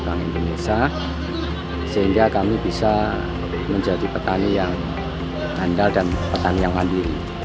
bank indonesia sehingga kami bisa menjadi petani yang handal dan petani yang mandiri